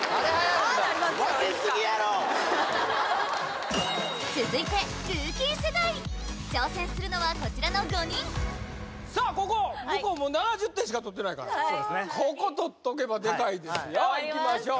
いつか続いてルーキー世代挑戦するのはこちらの５人さあここ向こうもう７０点しか取ってないからここ取っとけばデカいですよいきましょう